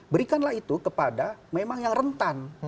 berikanlah itu kepada memang yang rentan